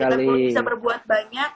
kalau kita belum bisa berbuat banyak